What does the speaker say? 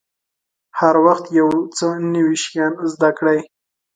هر وخت یو څه نوي شیان زده کړئ.